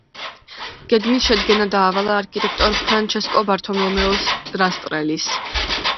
გეგმის შედგენა დაავალა არქიტექტორ ფრანჩესკო ბართოლომეო რასტრელის.